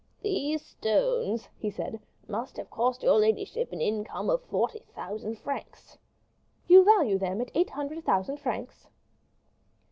"These stones," he said, "must have cost your ladyship an income of forty thousand francs." "You value them at eight hundred thousand francs?"